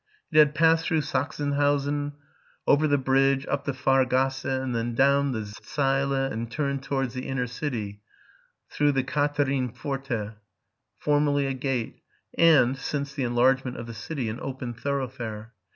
It had passed through Sachsenhausen, over the bridge, up the Fahr gasse, then down the Zeile, and turned towards the inner city through the Katharinenpforte, formerly a gate, and, since the enlargement of the city, an open thoroughfare.